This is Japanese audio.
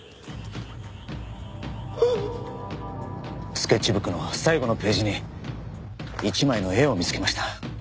スケッチブックの最後のページに一枚の絵を見つけました。